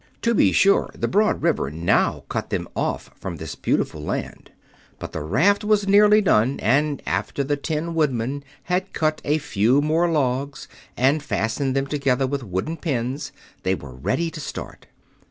To be sure, the broad river now cut them off from this beautiful land. But the raft was nearly done, and after the Tin Woodman had cut a few more logs and fastened them together with wooden pins, they were ready to start.